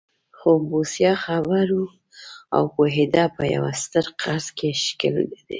خو بوسیا خبر و او پوهېده په یوه ستر قرض کې ښکېل شوی.